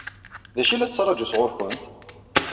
D acu i la tettṛaǧu sɣur-kent?